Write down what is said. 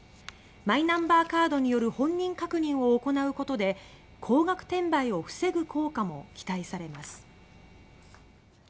マイナンバーカードによる本人確認を行うことで高額転売を防ぐ効果も期待されます。